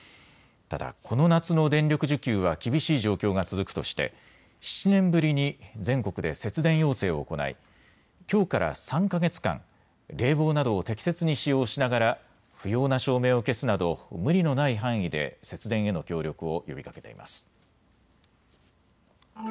ただ、この夏の電力需給は厳しい状況が続くとして７年ぶりに全国で節電要請を行いきょうから３か月間、冷房などを適切に使用しながら不要な照明を消すなど無理のない範囲で節電への協力を呼びかけています。